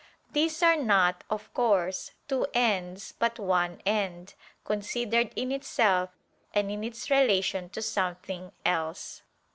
These are not, of course, two ends, but one end, considered in itself, and in its relation to something else.